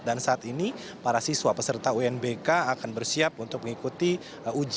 dan saat ini para siswa peserta unbk akan bersiap untuk mengikuti ujian